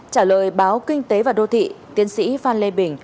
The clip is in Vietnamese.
trả lời báo kinh tế và đô thị tiến sĩ phan lê bình